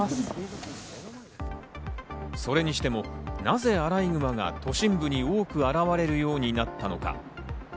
それにしても、なぜアライグマが都心部に多く現れるようになったのか。